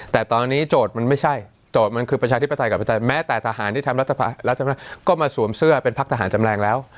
แต่ตอนนี้โจทย์มันไม่ใช่โจทย์มันคือประชาธิปไตยกับประชาชนแม้แต่ทหารที่ทำรัฐธรรมนุนก็มาสวมเสื้อเป็นพักทหารจำแรงแล้ว